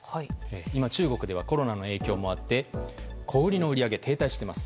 今、中国ではコロナの影響もあって小売りの売り上げが停滞しています。